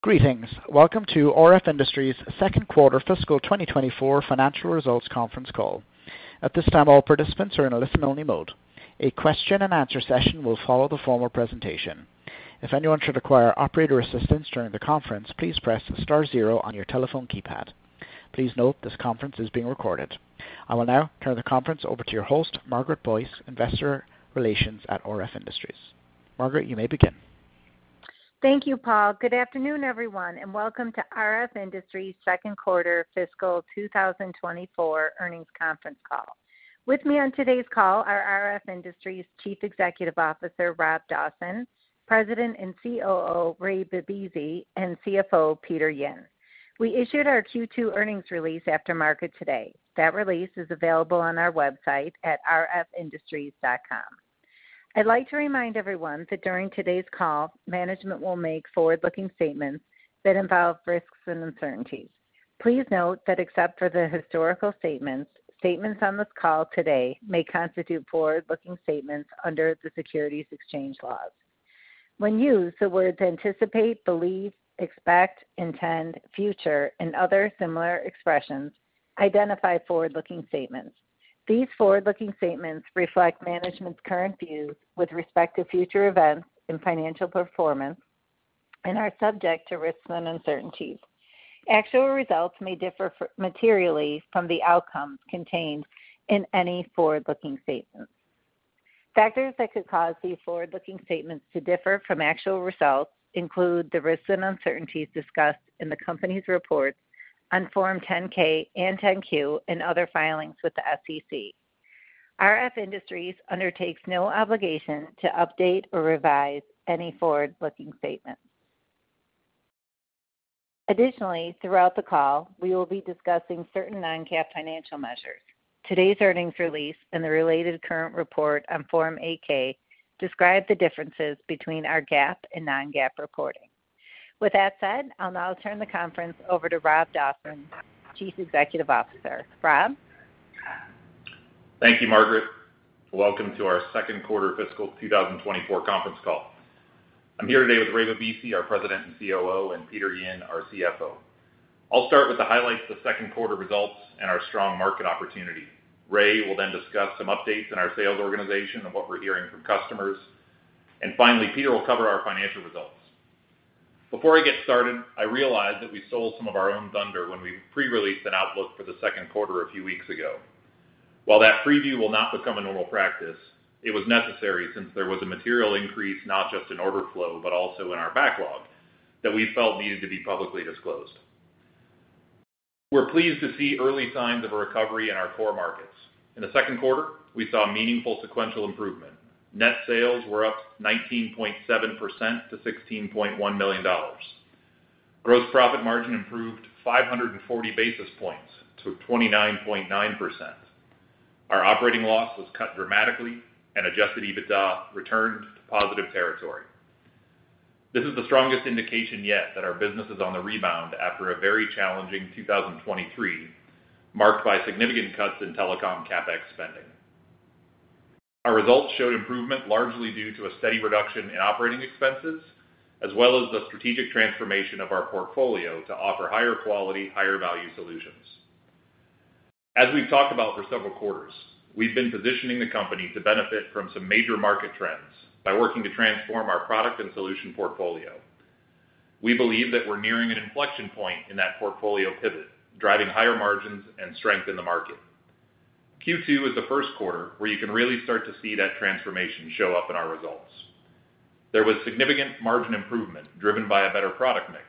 Greetings! Welcome to RF Industries' second quarter fiscal 2024 financial results conference call. At this time, all participants are in listen-only mode. A question-and-answer session will follow the formal presentation. If anyone should require operator assistance during the conference, please press star zero on your telephone keypad. Please note, this conference is being recorded. I will now turn the conference over to your host, Margaret Boyce, Investor Relations at RF Industries. Margaret, you may begin. Thank you, Paul. Good afternoon, everyone, and welcome to RF Industries second quarter fiscal 2024 earnings conference call. With me on today's call are RF Industries Chief Executive Officer, Rob Dawson, President and COO, Ray Bibisi, and CFO, Peter Yin. We issued our Q2 earnings release after market today. That release is available on our website at rfindustries.com. I'd like to remind everyone that during today's call, management will make forward-looking statements that involve risks and uncertainties. Please note that except for the historical statements, statements on this call today may constitute forward-looking statements under the securities exchange laws. When used, the words anticipate, believe, expect, intend, future, and other similar expressions identify forward-looking statements. These forward-looking statements reflect management's current views with respect to future events and financial performance and are subject to risks and uncertainties. Actual results may differ materially from the outcomes contained in any forward-looking statements. Factors that could cause these forward-looking statements to differ from actual results include the risks and uncertainties discussed in the company's reports on Form 10-K and 10-Q, and other filings with the SEC. RF Industries undertakes no obligation to update or revise any forward-looking statements. Additionally, throughout the call, we will be discussing certain non-GAAP financial measures. Today's earnings release and the related current report on Form 8-K describe the differences between our GAAP and non-GAAP reporting. With that said, I'll now turn the conference over to Rob Dawson, Chief Executive Officer. Rob? Thank you, Margaret. Welcome to our second quarter fiscal 2024 conference call. I'm here today with Ray Bibisi, our President and COO, and Peter Yin, our CFO. I'll start with the highlights of the second quarter results and our strong market opportunity. Ray will then discuss some updates in our sales organization and what we're hearing from customers. And finally, Peter will cover our financial results. Before I get started, I realize that we sold some of our own thunder when we pre-released an outlook for the second quarter a few weeks ago. While that preview will not become a normal practice, it was necessary since there was a material increase, not just in order flow, but also in our backlog that we felt needed to be publicly disclosed. We're pleased to see early signs of a recovery in our core markets. In the second quarter, we saw meaningful sequential improvement. Net sales were up 19.7% to $16.1 million. Gross profit margin improved 540 basis points to 29.9%. Our operating loss was cut dramatically, and adjusted EBITDA returned to positive territory. This is the strongest indication yet that our business is on the rebound after a very challenging 2023, marked by significant cuts in telecom CapEx spending. Our results showed improvement largely due to a steady reduction in operating expenses, as well as the strategic transformation of our portfolio to offer higher quality, higher value solutions. As we've talked about for several quarters, we've been positioning the company to benefit from some major market trends by working to transform our product and solution portfolio. We believe that we're nearing an inflection point in that portfolio pivot, driving higher margins and strength in the market. Q2 is the first quarter where you can really start to see that transformation show up in our results. There was significant margin improvement driven by a better product mix.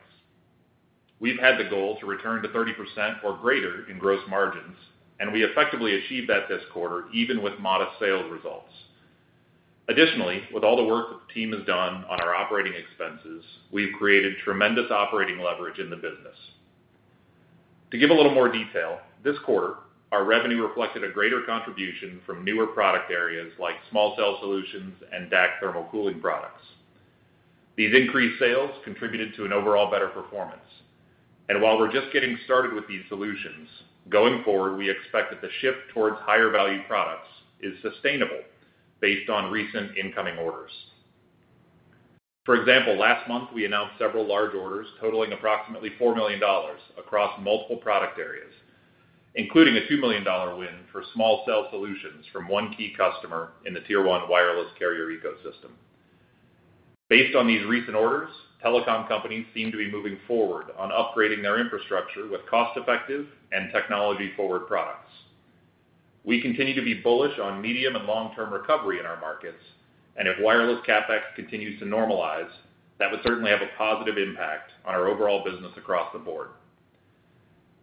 We've had the goal to return to 30% or greater in gross margins, and we effectively achieved that this quarter, even with modest sales results. Additionally, with all the work that the team has done on our operating expenses, we've created tremendous operating leverage in the business. To give a little more detail, this quarter, our revenue reflected a greater contribution from newer product areas like small cell solutions and DAC thermal cooling products. These increased sales contributed to an overall better performance. While we're just getting started with these solutions, going forward, we expect that the shift towards higher value products is sustainable based on recent incoming orders. For example, last month, we announced several large orders totaling approximately $4 million across multiple product areas, including a $2 million win for small cell solutions from one key customer in the Tier 1 wireless carrier ecosystem. Based on these recent orders, telecom companies seem to be moving forward on upgrading their infrastructure with cost-effective and technology-forward products. We continue to be bullish on medium and long-term recovery in our markets, and if wireless CapEx continues to normalize, that would certainly have a positive impact on our overall business across the board.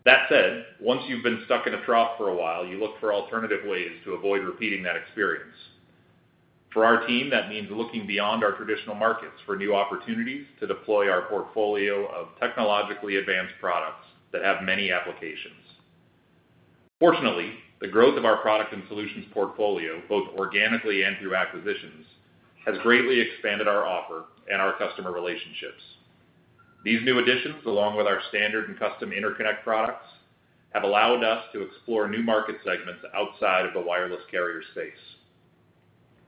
That said, once you've been stuck in a trough for a while, you look for alternative ways to avoid repeating that experience. For our team, that means looking beyond our traditional markets for new opportunities to deploy our portfolio of technologically advanced products that have many applications. Fortunately, the growth of our product and solutions portfolio, both organically and through acquisitions, has greatly expanded our offer and our customer relationships. These new additions, along with our standard and custom interconnect products, have allowed us to explore new market segments outside of the wireless carrier space.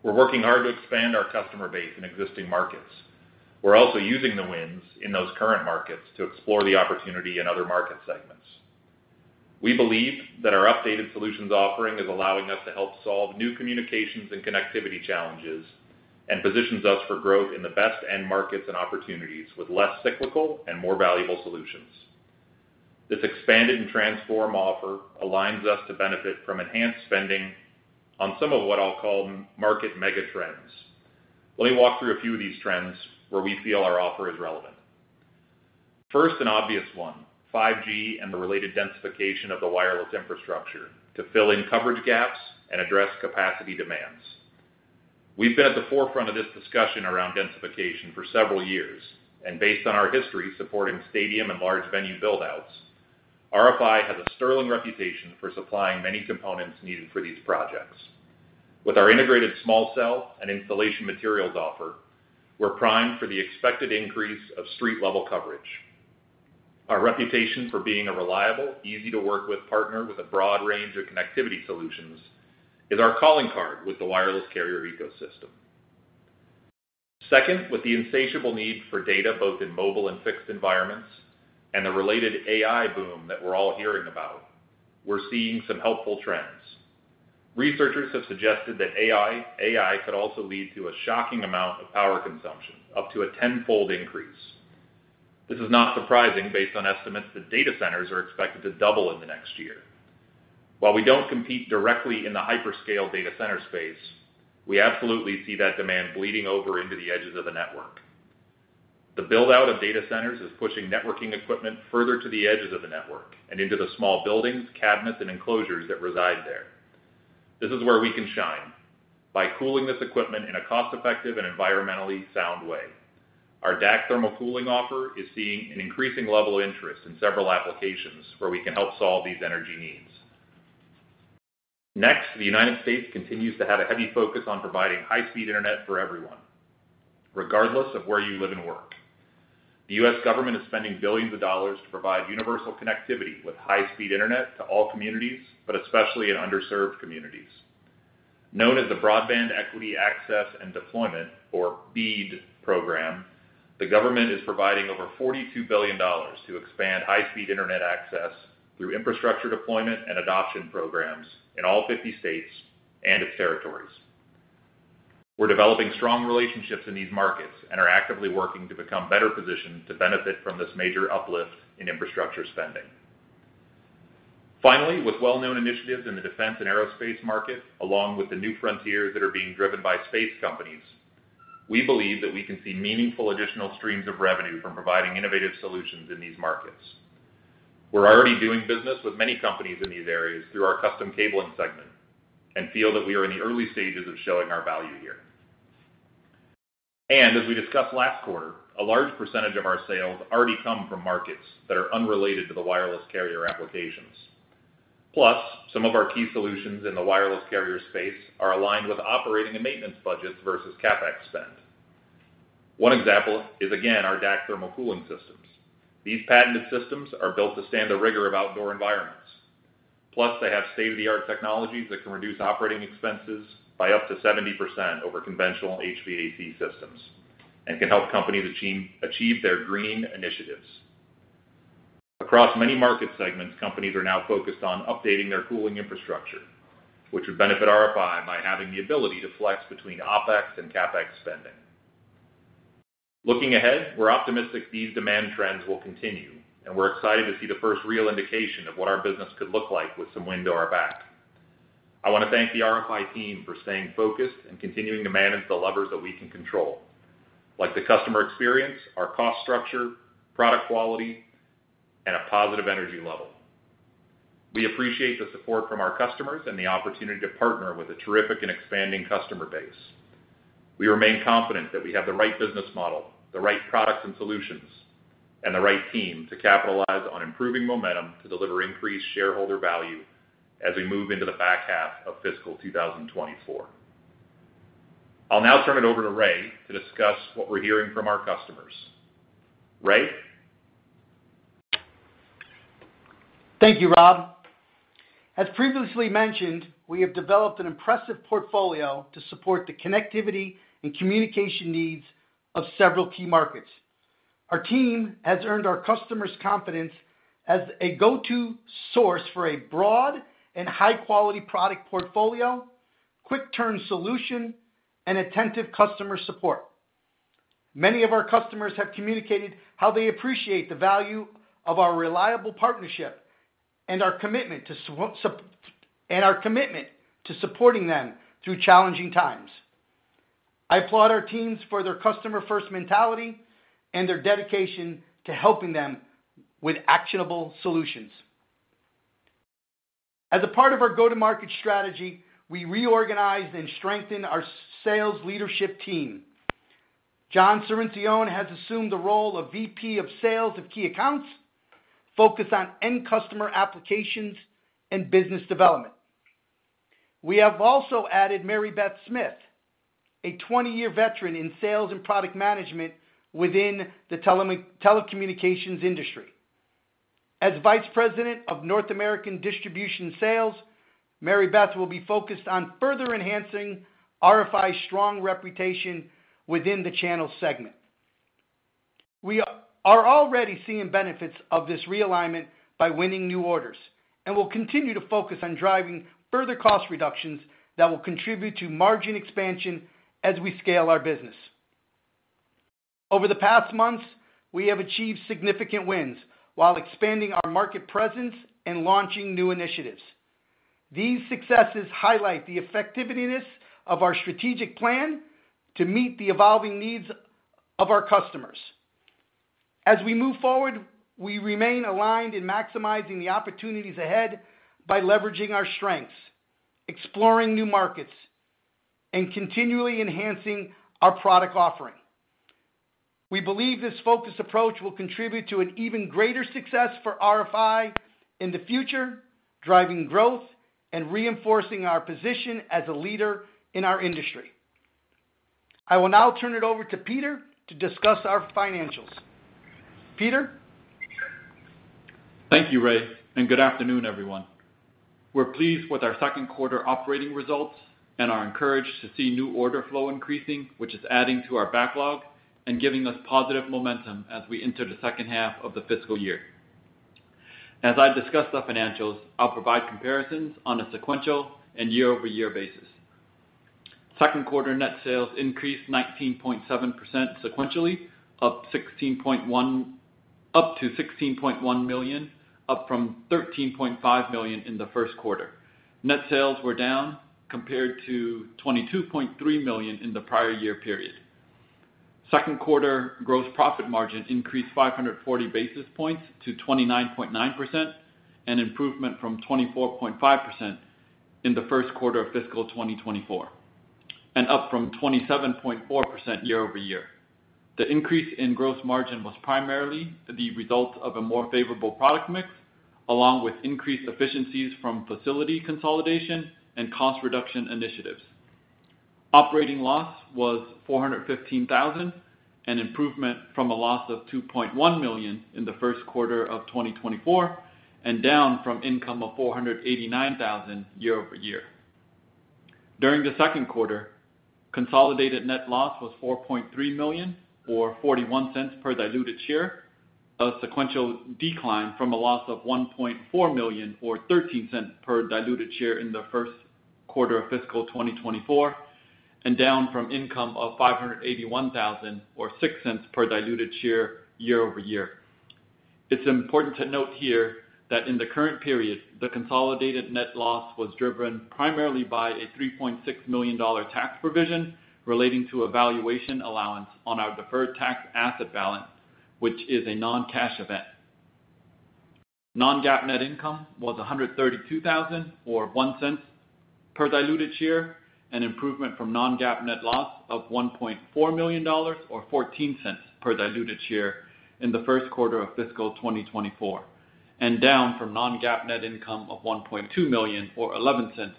We're working hard to expand our customer base in existing markets. We're also using the wins in those current markets to explore the opportunity in other market segments. We believe that our updated solutions offering is allowing us to help solve new communications and connectivity challenges, and positions us for growth in the best end markets and opportunities with less cyclical and more valuable solutions. This expanded and transformed offer aligns us to benefit from enhanced spending on some of what I'll call market mega trends. Let me walk through a few of these trends where we feel our offer is relevant. First, an obvious one, 5G and the related densification of the wireless infrastructure to fill in coverage gaps and address capacity demands. We've been at the forefront of this discussion around densification for several years, and based on our history supporting stadium and large venue build-outs, RFI has a sterling reputation for supplying many components needed for these projects. With our integrated small cell and installation materials offer, we're primed for the expected increase of street-level coverage. Our reputation for being a reliable, easy to work with partner with a broad range of connectivity solutions, is our calling card with the wireless carrier ecosystem. Second, with the insatiable need for data, both in mobile and fixed environments, and the related AI boom that we're all hearing about, we're seeing some helpful trends. Researchers have suggested that AI could also lead to a shocking amount of power consumption, up to a tenfold increase. This is not surprising based on estimates that data centers are expected to double in the next year. While we don't compete directly in the hyperscale data center space, we absolutely see that demand bleeding over into the edges of the network. The build-out of data centers is pushing networking equipment further to the edges of the network and into the small buildings, cabinets, and enclosures that reside there. This is where we can shine by cooling this equipment in a cost-effective and environmentally sound way. Our DAC thermal cooling offer is seeing an increasing level of interest in several applications where we can help solve these energy needs. Next, the United States continues to have a heavy focus on providing high-speed internet for everyone, regardless of where you live and work. The U.S. government is spending billions of dollars to provide universal connectivity with high-speed internet to all communities, but especially in underserved communities. Known as the Broadband Equity, Access, and Deployment or BEAD program, the government is providing over $42 billion to expand high-speed internet access through infrastructure deployment and adoption programs in all 50 states and its territories. We're developing strong relationships in these markets and are actively working to become better positioned to benefit from this major uplift in infrastructure spending. Finally, with well-known initiatives in the defense and aerospace market, along with the new frontiers that are being driven by space companies, we believe that we can see meaningful additional streams of revenue from providing innovative solutions in these markets. We're already doing business with many companies in these areas through our custom cabling segment, and feel that we are in the early stages of showing our value here. As we discussed last quarter, a large percentage of our sales already come from markets that are unrelated to the wireless carrier applications. Plus, some of our key solutions in the wireless carrier space are aligned with operating and maintenance budgets versus CapEx spend. One example is, again, our DAC thermal cooling systems. These patented systems are built to stand the rigor of outdoor environments. Plus, they have state-of-the-art technologies that can reduce operating expenses by up to 70% over conventional HVAC systems and can help companies achieve their green initiatives. Across many market segments, companies are now focused on updating their cooling infrastructure, which would benefit RFI by having the ability to flex between OpEx and CapEx spending. Looking ahead, we're optimistic these demand trends will continue, and we're excited to see the first real indication of what our business could look like with some wind to our back. I want to thank the RFI team for staying focused and continuing to manage the levers that we can control, like the customer experience, our cost structure, product quality, and a positive energy level. We appreciate the support from our customers and the opportunity to partner with a terrific and expanding customer base. We remain confident that we have the right business model, the right products and solutions, and the right team to capitalize on improving momentum to deliver increased shareholder value as we move into the back half of fiscal 2024. I'll now turn it over to Ray to discuss what we're hearing from our customers. Ray? Thank you, Rob. As previously mentioned, we have developed an impressive portfolio to support the connectivity and communication needs of several key markets. Our team has earned our customers' confidence as a go-to source for a broad and high-quality product portfolio, quick turn solution, and attentive customer support. Many of our customers have communicated how they appreciate the value of our reliable partnership and our commitment to supporting them through challenging times. I applaud our teams for their customer-first mentality and their dedication to helping them with actionable solutions. As a part of our go-to-market strategy, we reorganized and strengthened our sales leadership team. John Cirincione has assumed the role of VP of Sales of Key Accounts, focused on end customer applications and business development. We have also added Mary Beth Smith, a 20-year veteran in sales and product management within the telecommunications industry. As Vice President of North American Distribution Sales, Mary Beth will be focused on further enhancing RFI's strong reputation within the channel segment. We are already seeing benefits of this realignment by winning new orders, and we'll continue to focus on driving further cost reductions that will contribute to margin expansion as we scale our business. Over the past months, we have achieved significant wins while expanding our market presence and launching new initiatives. These successes highlight the effectiveness of our strategic plan to meet the evolving needs of our customers. As we move forward, we remain aligned in maximizing the opportunities ahead by leveraging our strengths, exploring new markets, and continually enhancing our product offering. We believe this focused approach will contribute to an even greater success for RFI in the future, driving growth and reinforcing our position as a leader in our industry. I will now turn it over to Peter to discuss our financials. Peter? Thank you, Ray, and good afternoon, everyone. We're pleased with our second quarter operating results and are encouraged to see new order flow increasing, which is adding to our backlog and giving us positive momentum as we enter the second half of the fiscal year. As I discuss the financials, I'll provide comparisons on a sequential and year-over-year basis. Second quarter net sales increased 19.7% sequentially, up to $16.1 million, up from $13.5 million in the first quarter. Net sales were down compared to $22.3 million in the prior year period. Second quarter gross profit margin increased 500 basis points to 29.9%, an improvement from 24.5% in the first quarter of fiscal 2024, and up from 27.4% year-over-year. The increase in gross margin was primarily the result of a more favorable product mix, along with increased efficiencies from facility consolidation and cost reduction initiatives. Operating loss was $415,000, an improvement from a loss of $2.1 million in the first quarter of 2024, and down from income of $489,000 year-over-year. During the second quarter, consolidated net loss was $4.3 million, or $0.41 per diluted share, a sequential decline from a loss of $1.4 million, or $0.13 per diluted share in the first quarter of fiscal 2024, and down from income of $581,000 or $0.06 per diluted share, year-over-year. It's important to note here that in the current period, the consolidated net loss was driven primarily by a $3.6 million tax provision relating to a valuation allowance on our deferred tax asset balance, which is a non-cash event. non-GAAP net income was $132,000, or $0.01 per diluted share, an improvement from non-GAAP net loss of $1.4 million, or $0.14 per diluted share in the first quarter of fiscal 2024, and down from non-GAAP net income of $1.2 million or $0.11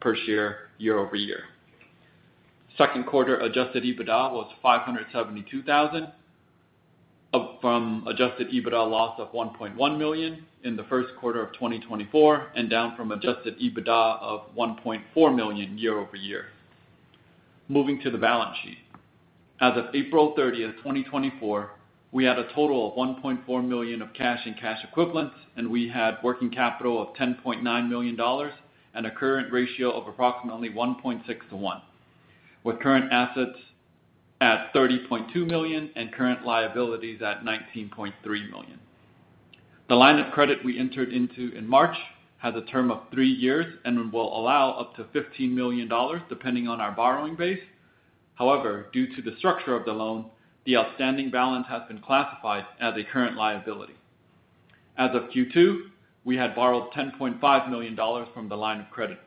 per share, year-over-year. Second quarter adjusted EBITDA was $572,000, up from adjusted EBITDA loss of $1.1 million in the first quarter of 2024, and down from adjusted EBITDA of $1.4 million year-over-year. Moving to the balance sheet. As of April 30, 2024, we had a total of $1.4 million of cash and cash equivalents, and we had working capital of $10.9 million and a current ratio of approximately 1.6 to 1, with current assets at $30.2 million and current liabilities at $19.3 million. The line of credit we entered into in March has a term of three years and will allow up to $15 million, depending on our borrowing base. However, due to the structure of the loan, the outstanding balance has been classified as a current liability. As of Q2, we had borrowed $10.5 million from the line of credit.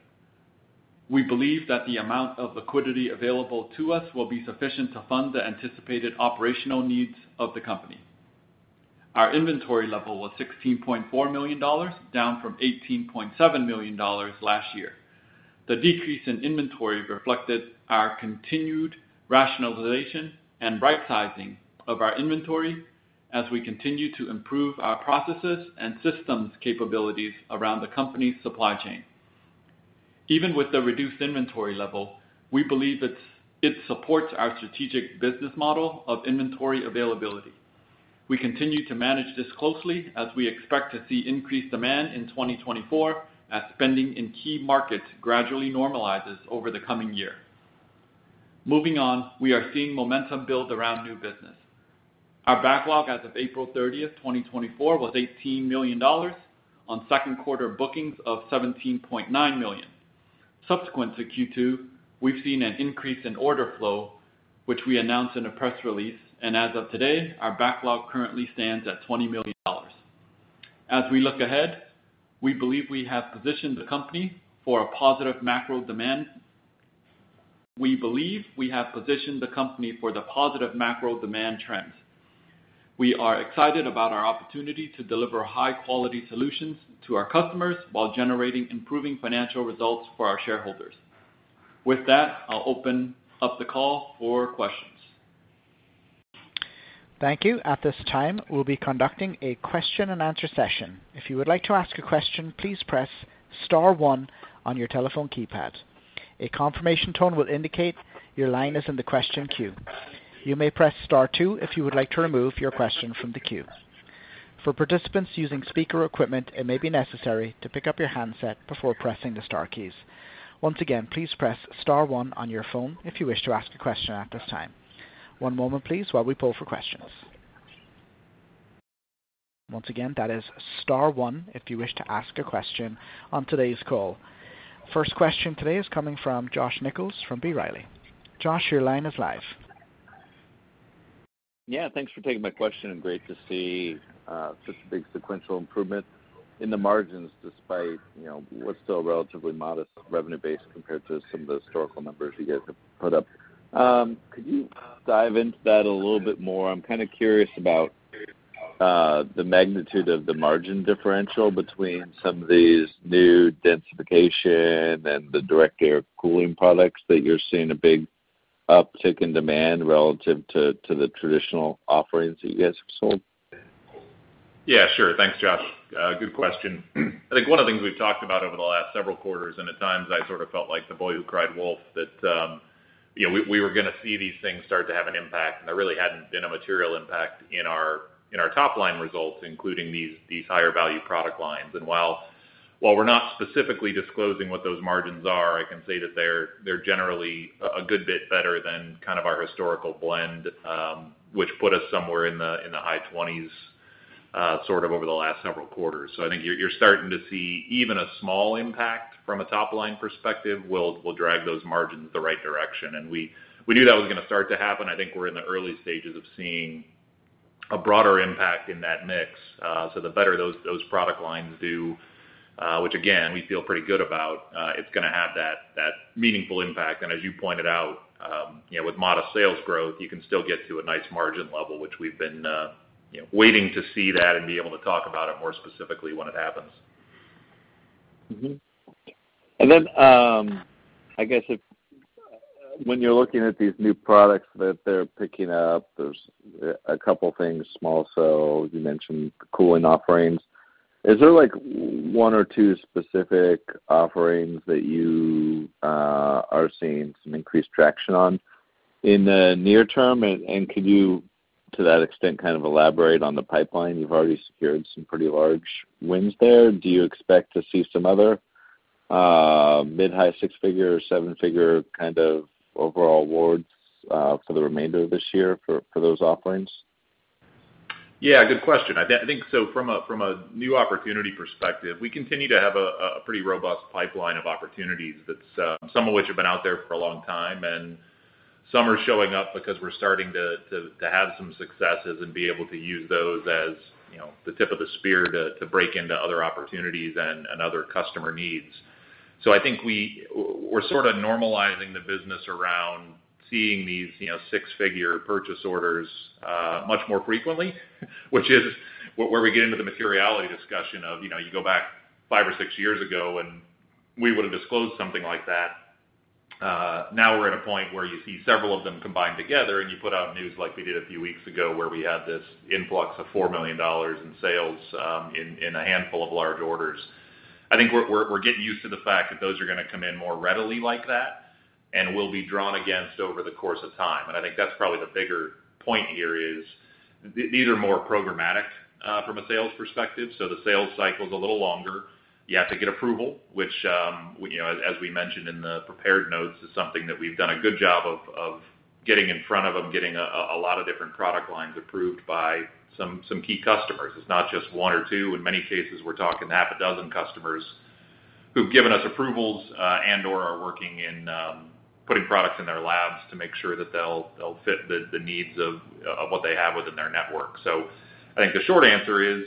We believe that the amount of liquidity available to us will be sufficient to fund the anticipated operational needs of the company. Our inventory level was $16.4 million, down from $18.7 million last year. The decrease in inventory reflected our continued rationalization and rightsizing of our inventory as we continue to improve our processes and systems capabilities around the company's supply chain. Even with the reduced inventory level, we believe it supports our strategic business model of inventory availability. We continue to manage this closely as we expect to see increased demand in 2024 as spending in key markets gradually normalizes over the coming year. Moving on, we are seeing momentum build around new business. Our backlog as of April 30, 2024, was $18 million on second quarter bookings of $17.9 million. Subsequent to Q2, we've seen an increase in order flow, which we announced in a press release, and as of today, our backlog currently stands at $20 million. As we look ahead, we believe we have positioned the company for a positive macro demand... We believe we have positioned the company for the positive macro demand trends. We are excited about our opportunity to deliver high-quality solutions to our customers while generating improving financial results for our shareholders. With that, I'll open up the call for questions. Thank you. At this time, we'll be conducting a question-and-answer session. If you would like to ask a question, please press star one on your telephone keypad. A confirmation tone will indicate your line is in the question queue. You may press star two if you would like to remove your question from the queue. For participants using speaker equipment, it may be necessary to pick up your handset before pressing the star keys. Once again, please press star one on your phone if you wish to ask a question at this time. One moment please, while we pull for questions. Once again, that is star one if you wish to ask a question on today's call. First question today is coming from Josh Nichols from B. Riley. Josh, your line is live. Yeah, thanks for taking my question, and great to see such a big sequential improvement in the margins, despite, you know, what's still a relatively modest revenue base compared to some of the historical numbers you guys have put up. Could you dive into that a little bit more? I'm kind of curious about the magnitude of the margin differential between some of these new densification and the direct air cooling products that you're seeing a big uptick in demand relative to the traditional offerings that you guys have sold. Yeah, sure. Thanks, Josh. Good question. I think one of the things we've talked about over the last several quarters, and at times, I sort of felt like the boy who cried wolf, that, you know, we were gonna see these things start to have an impact, and there really hadn't been a material impact in our top line results, including these higher value product lines. And while we're not specifically disclosing what those margins are, I can say that they're generally a good bit better than kind of our historical blend, which put us somewhere in the high 20s, sort of over the last several quarters. So I think you're starting to see even a small impact from a top line perspective will drag those margins the right direction. We knew that was gonna start to happen. I think we're in the early stages of seeing a broader impact in that mix. So the better those product lines do, which again, we feel pretty good about, it's gonna have that meaningful impact. And as you pointed out, you know, with modest sales growth, you can still get to a nice margin level, which we've been, you know, waiting to see that and be able to talk about it more specifically when it happens. Mm-hmm. And then, I guess if, when you're looking at these new products that they're picking up, there's a couple things, small cell, you mentioned cooling offerings. Is there, like, one or two specific offerings that you are seeing some increased traction on in the near term? And can you, to that extent, kind of elaborate on the pipeline? You've already secured some pretty large wins there. Do you expect to see some other, mid-high six-figure, seven-figure kind of overall awards, for the remainder of this year for those offerings? Yeah, good question. I think, so from a new opportunity perspective, we continue to have a pretty robust pipeline of opportunities that's some of which have been out there for a long time, and some are showing up because we're starting to have some successes and be able to use those as, you know, the tip of the spear to break into other opportunities and other customer needs. So I think we're sort of normalizing the business around seeing these, you know, six-figure purchase orders much more frequently, which is where we get into the materiality discussion of, you know, you go back five or six years ago, and we would've disclosed something like that. Now we're at a point where you see several of them combined together, and you put out news like we did a few weeks ago, where we had this influx of $4 million in sales in a handful of large orders. I think we're getting used to the fact that those are gonna come in more readily like that, and will be drawn against over the course of time. And I think that's probably the bigger point here is these are more programmatic from a sales perspective, so the sales cycle's a little longer. You have to get approval, which, you know, as we mentioned in the prepared notes, is something that we've done a good job of getting in front of them, getting a lot of different product lines approved by some key customers. It's not just one or two. In many cases, we're talking half a dozen customers who've given us approvals, and/or are working in putting products in their labs to make sure that they'll fit the needs of what they have within their network. So I think the short answer is,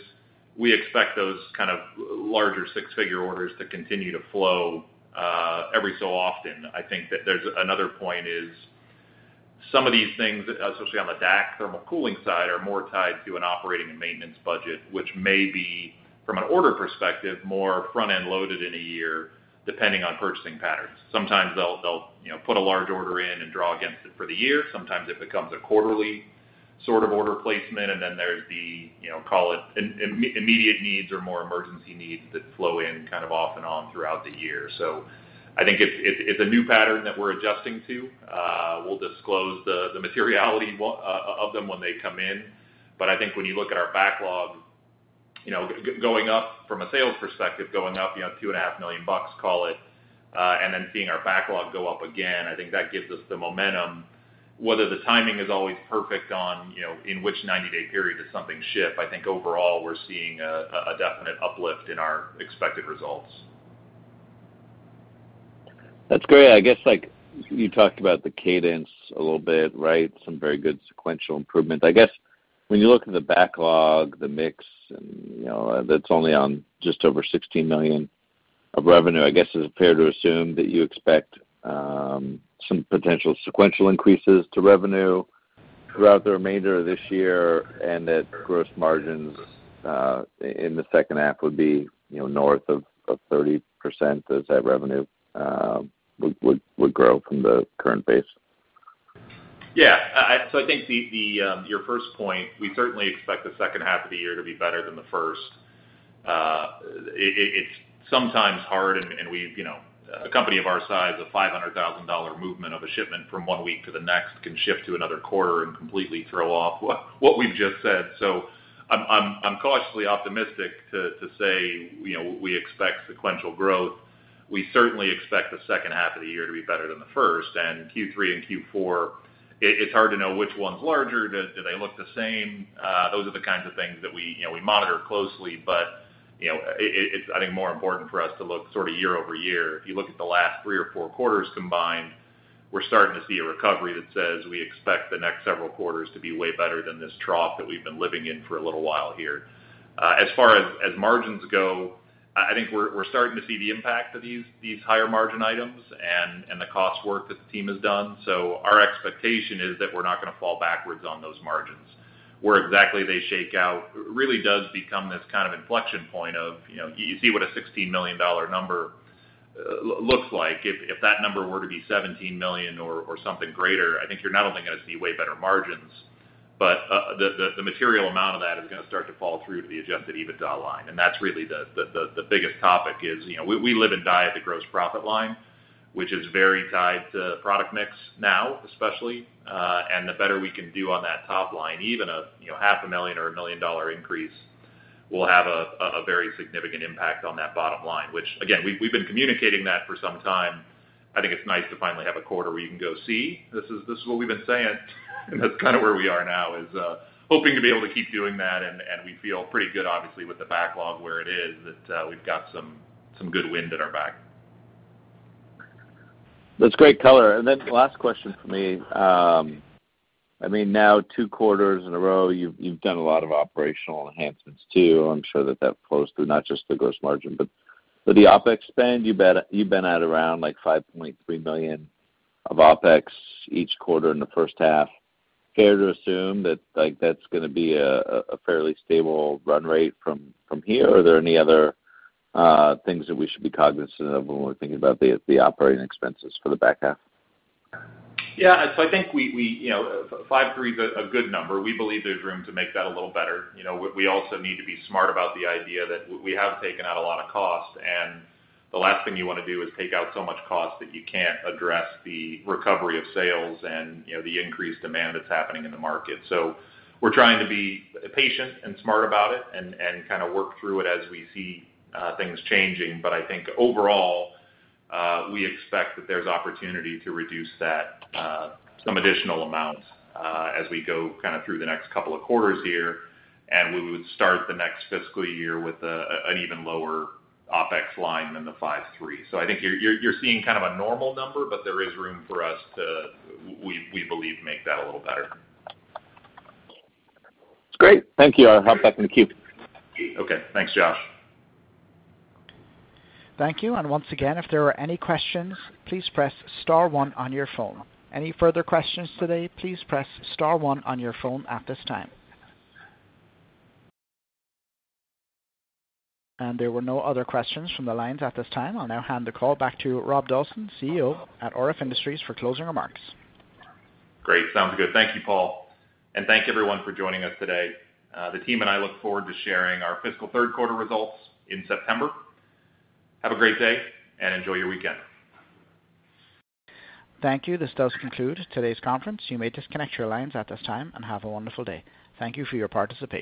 we expect those kind of larger six-figure orders to continue to flow every so often. I think that there's another point is, some of these things, especially on the DAC thermal cooling side, are more tied to an operating and maintenance budget, which may be, from an order perspective, more front-end loaded in a year, depending on purchasing patterns. Sometimes they'll, you know, put a large order in and draw against it for the year. Sometimes it becomes a quarterly sort of order placement. And then there's the, you know, call it, immediate needs or more emergency needs that flow in kind of off and on throughout the year. So I think it's a new pattern that we're adjusting to. We'll disclose the materiality of them when they come in, but I think when you look at our backlog, you know, going up from a sales perspective, going up, you know, $2.5 million, call it, and then seeing our backlog go up again, I think that gives us the momentum. Whether the timing is always perfect on, you know, in which 90-day period does something ship, I think overall, we're seeing a definite uplift in our expected results. That's great. I guess, like, you talked about the cadence a little bit, right? Some very good sequential improvement. When you look at the backlog, the mix, and, you know, that's only on just over $16 million of revenue, I guess, is it fair to assume that you expect some potential sequential increases to revenue throughout the remainder of this year, and that gross margins in the second half would be, you know, north of 30% as that revenue would grow from the current base? Yeah. So I think your first point, we certainly expect the second half of the year to be better than the first. It's sometimes hard, and we, you know, a company of our size, a $500,000 movement of a shipment from one week to the next can shift to another quarter and completely throw off what we've just said. So I'm cautiously optimistic to say, you know, we expect sequential growth. We certainly expect the second half of the year to be better than the first, and Q3 and Q4, it's hard to know which one's larger. Do they look the same? Those are the kinds of things that we, you know, we monitor closely, but, you know, it's, I think, more important for us to look sort of year-over-year. If you look at the last three or four quarters combined, we're starting to see a recovery that says, we expect the next several quarters to be way better than this trough that we've been living in for a little while here. As far as margins go, I think we're starting to see the impact of these higher margin items and the cost work that the team has done. So our expectation is that we're not gonna fall backwards on those margins. Where exactly they shake out, really does become this kind of inflection point of, you know, you see what a $16 million number looks like. If that number were to be $17 million or something greater, I think you're not only gonna see way better margins, but the material amount of that is gonna start to fall through to the adjusted EBITDA line, and that's really the biggest topic is, you know, we live and die at the gross profit line, which is very tied to product mix now, especially. And the better we can do on that top line, even you know $500,000 or $1 million increase, will have a very significant impact on that bottom line, which again, we've been communicating that for some time. I think it's nice to finally have a quarter where you can go, "See? This is, this is what we've been saying," and that's kind of where we are now, is hoping to be able to keep doing that, and we feel pretty good, obviously, with the backlog where it is, that we've got some good wind at our back. That's great color. And then last question for me. I mean, now two quarters in a row, you've done a lot of operational enhancements too. I'm sure that flows through not just the gross margin, but with the OpEx spend, you've been at around, like, $5.3 million of OpEx each quarter in the first half. Fair to assume that, like, that's gonna be a fairly stable run rate from here? Or are there any other things that we should be cognizant of when we're thinking about the operating expenses for the back half? Yeah. So I think we, you know, 5.3 is a good number. We believe there's room to make that a little better. You know, we also need to be smart about the idea that we have taken out a lot of cost, and the last thing you wanna do is take out so much cost that you can't address the recovery of sales and, you know, the increased demand that's happening in the market. So we're trying to be patient and smart about it and kind of work through it as we see things changing. But I think overall, we expect that there's opportunity to reduce that, some additional amounts, as we go, kind of, through the next couple of quarters here, and we would start the next fiscal year with an even lower OpEx line than the $5.3. So I think you're seeing kind of a normal number, but there is room for us to, we believe, make that a little better. Great. Thank you. I'll hop back in the queue. Okay. Thanks, Josh. Thank you. And once again, if there are any questions, please press star one on your phone. Any further questions today? Please press star one on your phone at this time. And there were no other questions from the lines at this time. I'll now hand the call back to Rob Dawson, CEO at RF Industries, for closing remarks. Great. Sounds good. Thank you, Paul, and thank you everyone for joining us today. The team and I look forward to sharing our fiscal third quarter results in September. Have a great day, and enjoy your weekend. Thank you. This does conclude today's conference. You may disconnect your lines at this time and have a wonderful day. Thank you for your participation.